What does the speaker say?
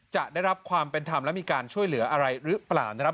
จะได้รับความเป็นธรรมและมีการช่วยเหลืออะไรหรือเปล่านะครับ